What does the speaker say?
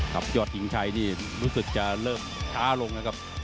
ครับยอดยิงใช้นี่รู้สึกจะเริ่มช้าลงครับ